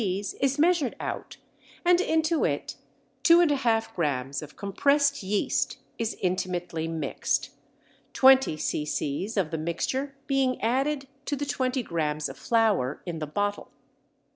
is measured out, and into it 2½ grams of compressed yeast is intimately mixed, 20 c.c. of the mixture being added to the 20 grams of flour in the bottle.